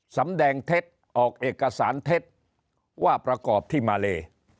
สำแดงเท็จออกเอกสารเท็จว่าประกอบที่มาเล